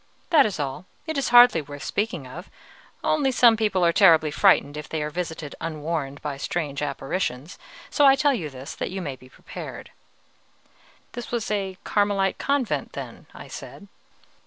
That is all, it is hardly worth speaking of, only some people are terribly frightened if they are visited unwarned by strange apparitions; so I tell you this that you may be prepared." "This was a Carmelite convent, then?" I said.